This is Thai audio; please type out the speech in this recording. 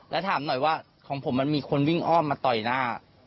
แล้วถามหน่อยว่าของผมมันมีคนวิ่งอ้อมมาต่อยหน้า